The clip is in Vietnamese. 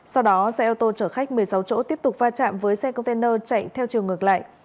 sau đó xe ô tô chở khách một mươi sáu chỗ tiếp tục va chạm với xe container chạy theo chiều ngược lại